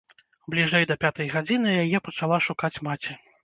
Бліжэй да пятай гадзіны яе пачала шукаць маці.